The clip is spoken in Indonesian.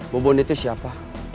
bumbun itu siapa